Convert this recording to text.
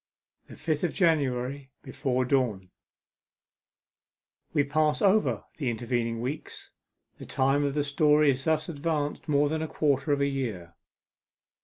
THE FIFTH OF JANUARY. BEFORE DAWN We pass over the intervening weeks. The time of the story is thus advanced more than a quarter of a year.